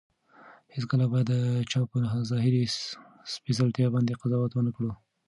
هیڅکله باید د چا په ظاهري سپېڅلتیا باندې قضاوت ونه کړو.